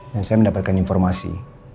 dan saya mendapatkan informasi